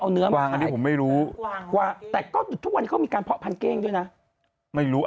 เอาเนื้อวางอันนี้ผมไม่รู้ว่าแต่ก็ทุกวันนี้เขามีการเพาะพันเก้งด้วยนะไม่รู้